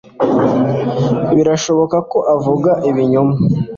Birashoboka ko avuga ibinyoma.